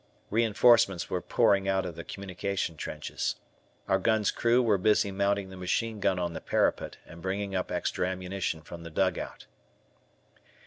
Reinforcements were pouring out of the communication trenches. Our gun's crew were busy mounting the machine gun on the parapet and bringing up extra ammunition from the dugout.